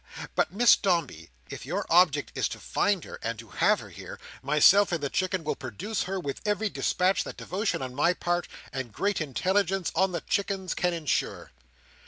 But, Miss Dombey, if your object is to find her, and to have her here, myself and the Chicken will produce her with every dispatch that devotion on my part, and great intelligence on the Chicken's, can ensure."